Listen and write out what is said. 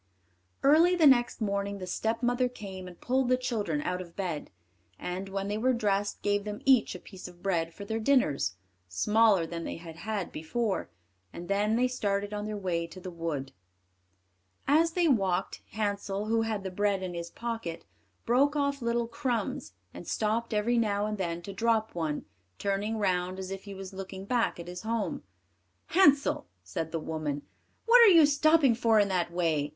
Early the next morning the stepmother came and pulled the children out of bed, and, when they were dressed, gave them each a piece of bread for their dinners, smaller than they had had before, and then they started on their way to the wood. As they walked, Hansel, who had the bread in his pocket, broke off little crumbs, and stopped every now and then to drop one, turning round as if he was looking back at his home. "Hansel," said the woman, "what are you stopping for in that way?